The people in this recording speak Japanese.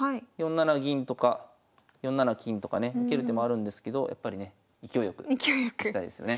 ４七銀とか４七金とかね受ける手もあるんですけどやっぱりね勢いよく勢いよく。